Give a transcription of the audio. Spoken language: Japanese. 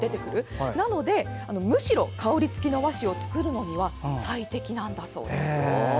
なので、むしろ香り付きの和紙を作るのには最適だそうです。